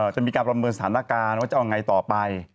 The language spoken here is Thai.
จะมีการประเมินสถานการณ์ว่าจะเอาไงต่อไป